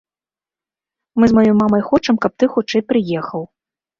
Мы з маёй мамай хочам, каб ты хутчэй прыехаў.